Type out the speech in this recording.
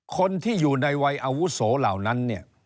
คนที่อยู่ในวัยอวุโสเหล่านั้น